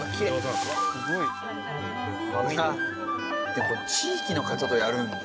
でもこれ地域の方とやるんだ。